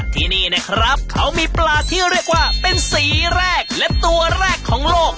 ที่นี่นะครับเขามีปลาที่เรียกว่าเป็นสีแรกและตัวแรกของโลก